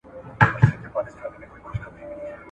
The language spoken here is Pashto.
که کوترې او مرغان تغذیه سي، نو له ښار نه کډه نه کوي.